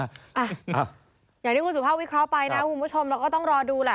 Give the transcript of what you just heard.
อย่างที่คุณสุภาพวิเคราะห์ไปนะคุณผู้ชมเราก็ต้องรอดูแหละ